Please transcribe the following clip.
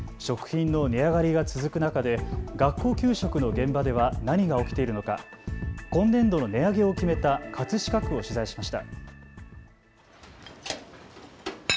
食品の値上がりが続く中で学校給食の現場では何が起きているのか、今年度の値上げを決めた葛飾区を取材しました。